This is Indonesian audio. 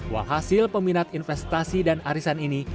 uang hasil peminat investasi dan arisan ini